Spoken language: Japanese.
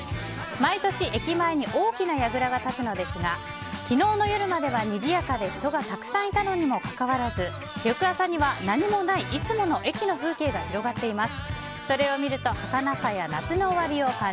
毎年駅前に大きなやぐらが立つのですが昨日の夜まではにぎやかで人がたくさんいたのにもかかわらず翌朝には何もないいつもの駅の風景が広がっています。